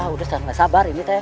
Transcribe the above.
udah saya gak sabar ini